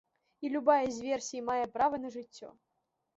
І любая з версій мае права на жыццё.